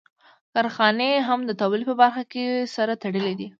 کارخانې هم د تولید په برخه کې سره تړلې دي